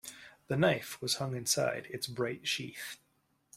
The knife was hung inside its bright sheath.